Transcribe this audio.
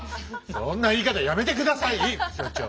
そんな言い方やめて下さい副所長。